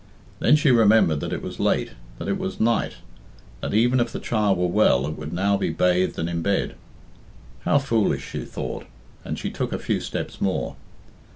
Then she remembered that it was late, that it was night, that even if the child were well it would now be bathed and in bed. "How foolish!" she thought, and she took a few steps more.